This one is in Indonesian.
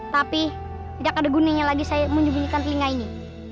tapi tidak ada guningnya lagi saya menyembunyikan telinga ini